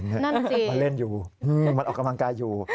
นั่นสิมันเล่นอยู่มันออกกำลังกายอยู่